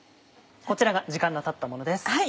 こちらが時間がたったものです。